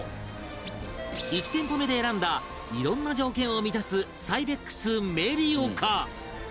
１店舗目で選んだいろんな条件を満たすサイベックスメリオか？